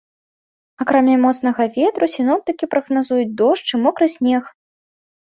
Акрамя моцнага ветру, сіноптыкі прагназуюць дождж і мокры снег.